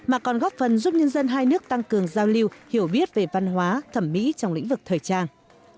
mà còn góp phần giúp nhân dân hai nước tăng cường giao lưu hiểu biết về văn hóa thẩm mỹ trong lĩnh vực thời trang